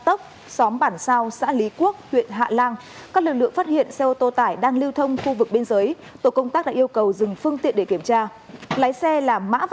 tổ công tác đang nằm gần khu vực nặm tốc xóm bản sao xã lý quốc huyện hạ lang các lực lượng phát hiện xe ô tô tải đang lưu thông khu vực bên giới tổ công tác đã yêu cầu dừng phương tiện để kiểm tra